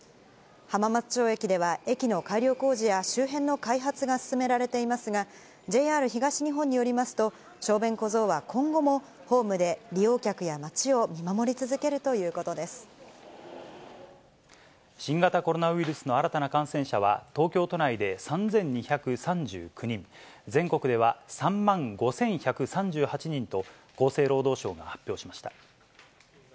浜松町駅では、駅の改良工事や周辺の開発が進められていますが、ＪＲ東日本によりますと、小便小僧は今後もホームで利用客や街を見守り続けるということで新型コロナウイルスの新たな感染者は、東京都内で３２３９人、全国では３万５１３８人と、厚生労働省が発表しました。